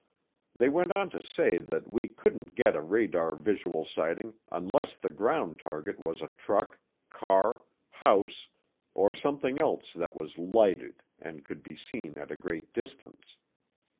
They went on to say that we couldn't get a radar visual sighting unless the ground target was a truck, car, house, or something else that was lighted and could be seen at a great distance.